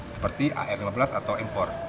seperti ar lima belas atau m empat